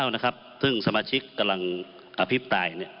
นะครับซึ่งสมาชิกกำลังอภิปรายเนี่ย